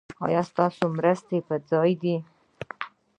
ایا ستاسو مرستې پر ځای دي؟